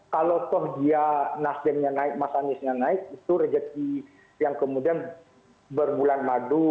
kalau toh dia nasdem nya naik mas anies nya naik itu rezeki yang kemudian berbulan madu